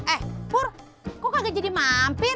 eh pur kok kagak jadi mampir